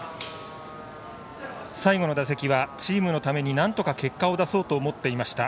最後の打席はチームのためになんとか結果を出そうと思っていました。